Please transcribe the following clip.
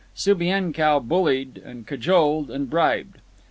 Subienkow bullied, and cajoled, and bribed.